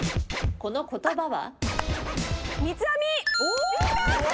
この言葉は？